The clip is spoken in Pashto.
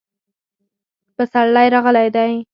پسرلی راغلی دی